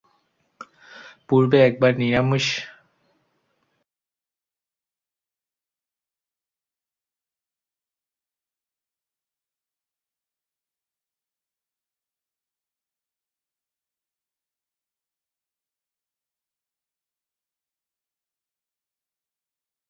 পূর্বে একবার নিরামিষভোজী হিসেবে জীবনযাপন করলেও, পরবর্তীতে তিনি আবার আমিষ ভোজন শুরু করেন।